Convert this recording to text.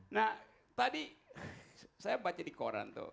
nah tadi saya baca di koran tuh